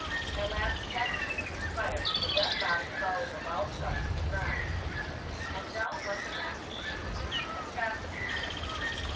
At last he got a chance and fired, and the dead body fell with a loud thud to the ground, and down went the Master Thief too, as fast as he could.